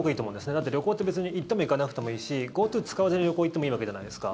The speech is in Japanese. だって、旅行って別に行っても行かなくてもいいしＧｏＴｏ使わずに旅行に行ってもいいわけじゃないですか。